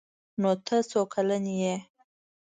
_نوته څو کلن يې؟